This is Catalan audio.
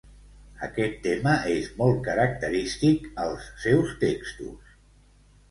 Aquest tema és molt característic als seus textos.